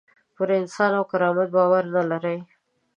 پر انسان او کرامت باور نه لري.